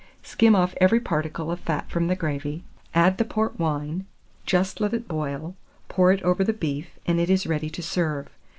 Skim off every particle of fat from the gravy, add the port wine, just let it boil, pour it over the beef, and it is ready to serve.